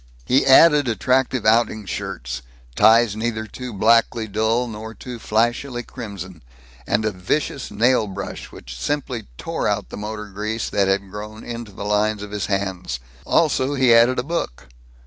He added attractive outing shirts, ties neither too blackly dull nor too flashily crimson, and a vicious nail brush which simply tore out the motor grease that had grown into the lines of his hands. Also he added a book.